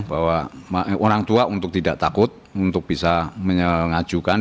bahwa orang tua untuk tidak takut untuk bisa mengajukan